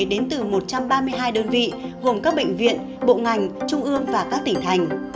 đến từ một trăm ba mươi hai đơn vị gồm các bệnh viện bộ ngành trung ương và các tỉnh thành